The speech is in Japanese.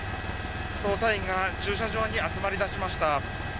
捜査員が駐車場に集まりだしました。